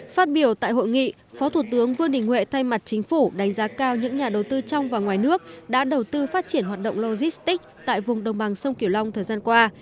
phát biểu tại hội nghị phó thủ tướng vương đình huệ thay mặt chính phủ đánh giá cao những nhà đầu tư trong và ngoài nước đã đầu tư phát triển hoạt động logistics tại vùng đồng bằng sông kiểu long thời gian qua